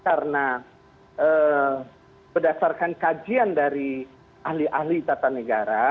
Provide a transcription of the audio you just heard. karena berdasarkan kajian dari ahli ahli tata negara